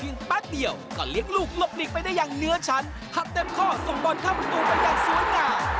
ส่งบ่นข้ามตัวไปอย่างสวยงาม